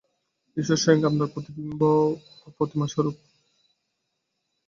ঈশ্বর স্বয়ং আপনার প্রতিবিম্ব বা প্রতিমাস্বরূপ।